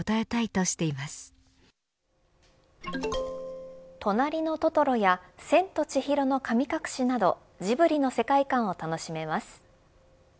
となりのトトロや千と千尋の神隠しなどジブリの世界観を楽しめます。